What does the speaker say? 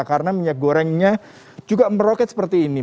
karena minyak gorengnya juga meroket seperti ini